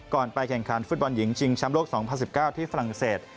ไปแข่งขันฟุตบอลหญิงชิงแชมป์โลก๒๐๑๙ที่ฝรั่งเศส